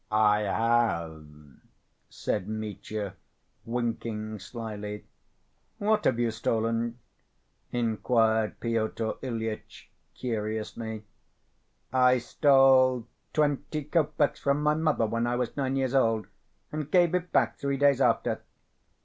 "I have," said Mitya, winking slyly. "What have you stolen?" inquired Pyotr Ilyitch curiously. "I stole twenty copecks from my mother when I was nine years old, and gave it back three days after."